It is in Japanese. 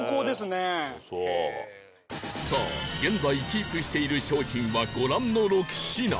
さあ現在キープしている商品はご覧の６品